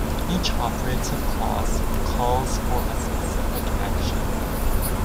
Each operative clause calls for a specific action.